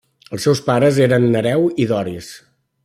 Els seus pares eren Nereu i Doris.